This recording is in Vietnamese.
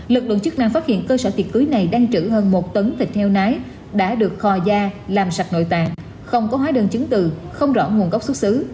lực lượng chức năng phát hiện cơ sở tiệc cưới này đang trữ hơn một tấn thịt heo nái đã được kho ra làm sạch nội tạng không có hóa đơn chứng từ không rõ nguồn gốc xuất xứ